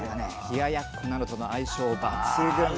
冷ややっこなどとの相性抜群。